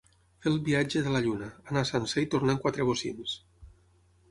Fer el viatge de la lluna: anar sencer i tornar en quatre bocins.